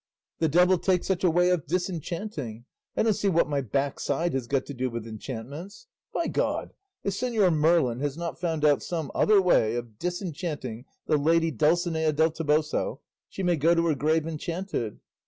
The devil take such a way of disenchanting! I don't see what my backside has got to do with enchantments. By God, if Señor Merlin has not found out some other way of disenchanting the lady Dulcinea del Toboso, she may go to her grave enchanted."